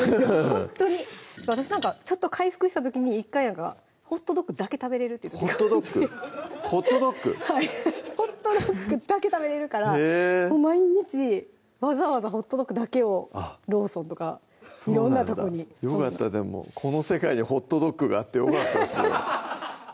ほんとに私なんかちょっと回復した時に１回なんかホットドッグだけ食べれるって時がホットドッグ？ホットドッグ？はいホットドッグだけ食べれるから毎日わざわざホットドッグだけをローソンとか色んなとこにそうなんだよかったでもこの世界にホットドッグがあってよかったですね